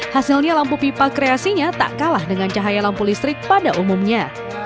hasilnya lampu pipa kreasinya tak kalah dengan cahaya lampu listrik pada umumnya